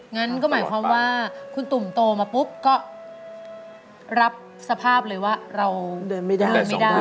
งั้นก็หมายความว่าคุณตุ่มโตมาปุ๊บก็รับสภาพเลยว่าเราเดินไม่ได้ไม่ได้